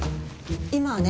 今はね